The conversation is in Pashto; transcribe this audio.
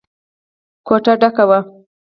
کوټه ډکه وه.